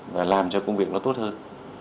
và làm cho công việc nó tốt hơn